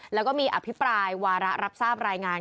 แล้วก็มีอภิปรายวาระรับทราบรายงาน